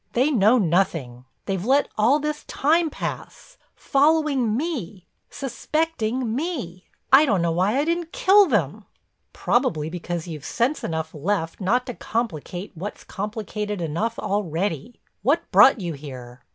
They know nothing. They've let all this time pass—following me, suspecting me. I don't know why I didn't kill them!" "Probably because you've sense enough left not to complicate what's complicated enough already. What brought you here?"